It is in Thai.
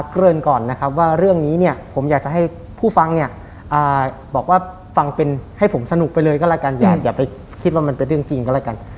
เกริ่นก่อนนะครับว่าเรื่องนี้เนี่ยผมอยากจะให้ผู้ฟังเนี่ยบอกว่าฟังเป็นให้ผมสนุกไปเลยก็แล้วกันอย่าไปคิดว่ามันเป็นเรื่องจริงก็แล้วกัน